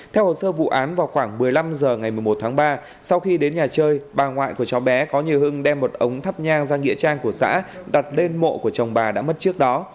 theo hồ sơ vụ án vào khoảng một mươi năm h ngày một mươi một tháng ba sau khi đến nhà chơi bà ngoại của cháu bé có như hưng đem một ống thắp nhang ra nghĩa trang của xã đặt lên mộ của chồng bà đã mất trước đó